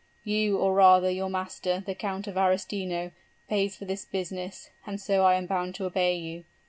'You, or rather your master, the Count of Arestino, pays for this business, and so I am bound to obey you.'